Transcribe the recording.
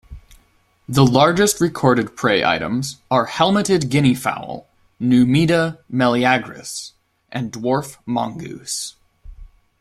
The largest recorded prey items are helmeted guineafowl "Numida meleagris" and dwarf mongoose.